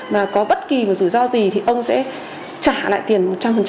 mà có bất kỳ một rủi ro gì thì ông sẽ trả lại tiền một trăm linh